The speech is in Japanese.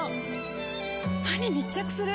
歯に密着する！